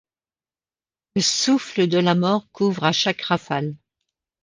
Le souffle de la mort couvre à chaque rafale